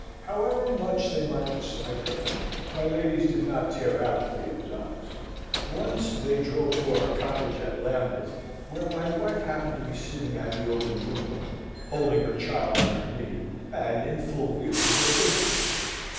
However much they might dislike her, my ladies did not tear out Theo's eyes. Once they drove to our cottage at Lambeth, where my wife happened to be sitting at the open window, holding her child on her knee, and in full view of her visitors.